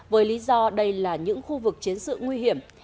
với lý do đây là những khu vực chiến sự nguy hiểm